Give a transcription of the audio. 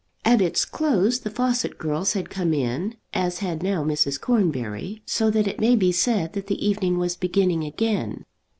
At its close the Fawcett girls had come in, as had now Mrs. Cornbury, so that it may be said that the evening was beginning again.